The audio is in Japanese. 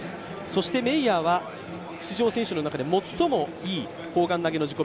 そしてメイヤーは出場選手の中で最もいい砲丸投の自己